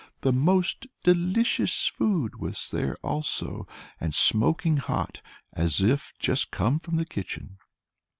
The most delicious food was there also, and smoking hot, as if just come from the kitchen.